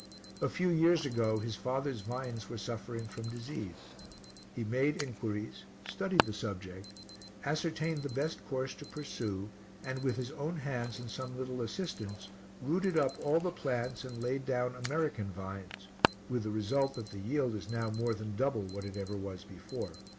A few years ago his father's vines were suffering from disease; he made inquiries, studied the subject, ascertained the best course to pursue and, with his own hands and some little assistance, rooted up all the plants and laid down American vines, with the result that the yield is now more than double what it ever was before.